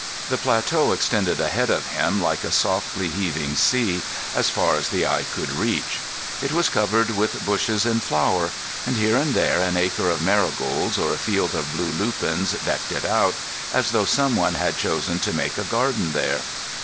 The plateau extended ahead of him like a softly heaving sea, as far as the eye could reach. It was covered with bushes in flower; and here and there an acre of marigolds or a field of blue lupins decked it out, as though someone had chosen to make a garden there.